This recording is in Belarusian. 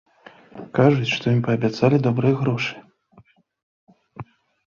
Кажуць, што ім паабяцалі добрыя грошы.